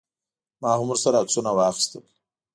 ما هم ورسره عکسونه واخیستل.